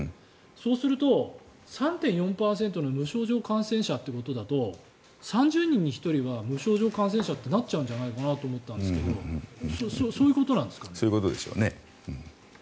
そうすると３．４％の無症状感染者ということだと３０人に１人は無症状感染者ってなっちゃうんじゃないかなと思ったんですけどそういうことでしょうね。